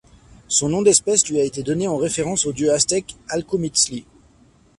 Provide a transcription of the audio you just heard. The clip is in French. Son nom d'espèce lui a été donné en référence au dieu aztèque Alcomitzli.